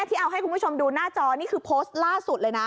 ที่เอาให้คุณผู้ชมดูหน้าจอนี่คือโพสต์ล่าสุดเลยนะ